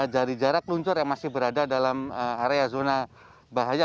dari jarak luncur yang masih berada dalam area zona bahaya